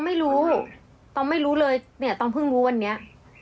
ไม่รู้ตองไม่รู้เลยเนี่ยตองเพิ่งรู้วันนี้